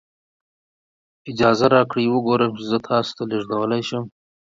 اجازه راکړئ وګورم چې زه تاسو ته لیږدولی شم.